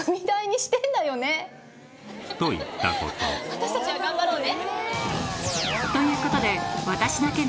私たちは頑張ろうね。